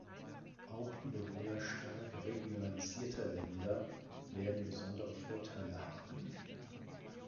Auch die Bewohner stark regionalisierter Länder werden besondere Vorteile haben.